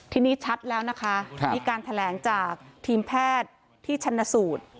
ทีนี้ชัดแล้วนะคะมีการแถลงจากทีมแพทย์ที่ชันสูตร